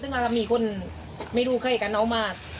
ซึ่งเรามีคนไม่รู้ใครกันเอามา